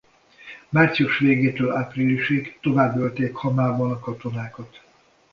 Március végétől áprilisig tovább ölték Hamában a katonákat.